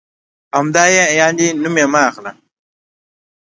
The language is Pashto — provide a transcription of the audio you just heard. همدا یعنې؟ نوم یې مه اخله.